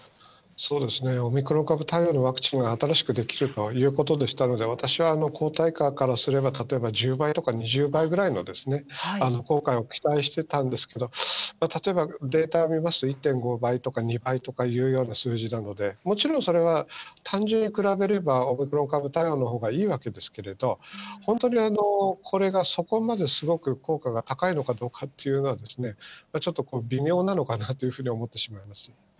オミクロン株対応のワクチンは新しくできるということでしたので、私は抗体価からすれば例えば、１０倍とか２０倍ぐらいの効果を期待してたんですけど、例えばデータ見ますと１．５倍とか２倍とかいうような数字なので、もちろん、それは単純に比べればオミクロン株対応のほうがいいわけですけれど、本当にこれがそこまですごく効果が高いのかどうかというのは、ちょっと微妙なのかなというふうに思ってしまいます。